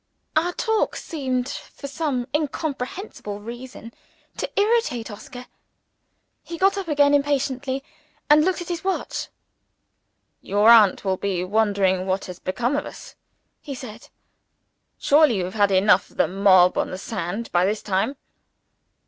Our talk seemed, for some incomprehensible reason, to irritate Oscar. He got up again impatiently, and looked at his watch. "Your aunt will be wondering what has become of us," he said. "Surely you have had enough of the mob on the sands, by this time?"